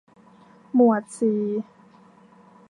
หมวดสี่